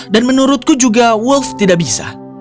dan menurutku juga wolf tidak bisa